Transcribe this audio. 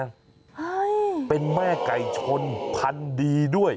ใช่เป็นแม่ไก่ชนพันธุ์ดีด้วย